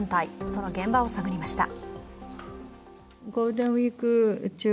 その現場を探りました。